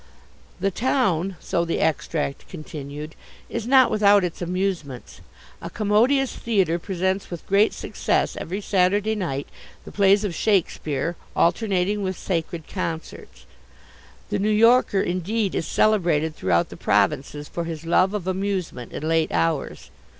"The town" so the extract continued "is not without its amusements. A commodious theatre presents with great success every Saturday night the plays of Shakespeare alternating with sacred concerts; the New Yorker, indeed, is celebrated throughout the provinces for his love of amusement and late hours.